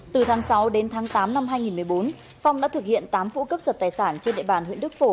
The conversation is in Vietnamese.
từ tháng sáu đến tháng tám năm hai nghìn một mươi bốn phong đã thực hiện tám vụ cấp giật tài sản trên địa bàn huyện đức phổ